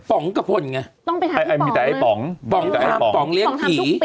ป๋องกับพ่นไงต้องไปถามที่ป๋องเลยป๋องทำทุกปีป๋องเลี้ยงผี